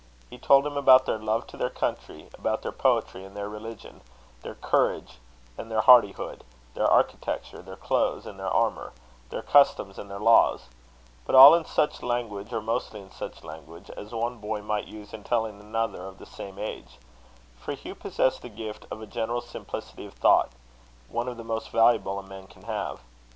He told him about their love to their country, about their poetry and their religion; their courage, and their hardihood; their architecture, their clothes, and their armour; their customs and their laws; but all in such language, or mostly in such language, as one boy might use in telling another of the same age; for Hugh possessed the gift of a general simplicity of thought, one of the most valuable a man can have.